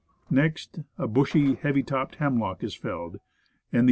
Next, a bushy, heavy topped hem lock is felled, and the O.